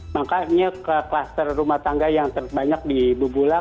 makanya kluster rumah tangga yang terbanyak di bubula